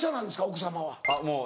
奥様は。